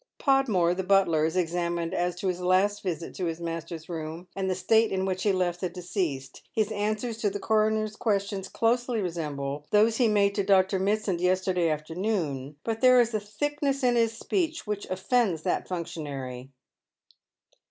Podmore, the butler, is examined as to his last visit to his master's room, and the state in which he left the deceased. His answers to the coroner's questions closely resemble those he made to Dr. Mitsand yesterday afternoon, but there is a thickness in his speech which oil'ends that functionary.